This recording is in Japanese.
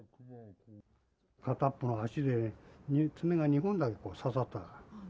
片っぽの足で、爪が２本刺さった。